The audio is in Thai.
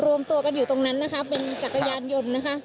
รวมตัวกันอยู่ตรงนั้นนะคะเป็นจักรยานยนต์นะคะ